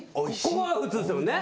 ここは普通ですもんね。